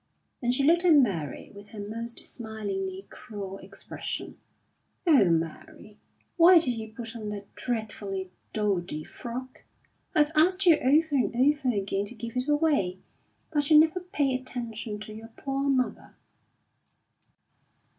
And she looked at Mary with her most smilingly cruel expression. "Oh, Mary, why did you put on that dreadfully dowdy frock? I've asked you over and over again to give it away, but you never pay attention to your poor mother."